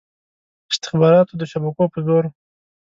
استخباراتو د شبکو په زور.